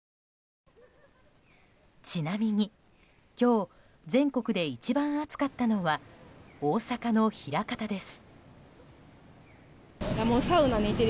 ちなみに今日、全国で一番暑かったのは大阪の枚方です。